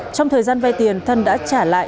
trong thời gian vay tiền thân đã trả lại